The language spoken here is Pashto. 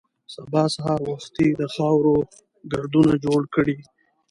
سبا سهار وختي د خاورو ګردونه جوړ کړي.